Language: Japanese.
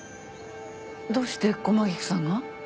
どうして駒菊さんが？